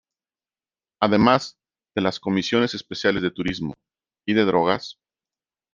Además de las Comisiones Especiales de Turismo; y de Drogas.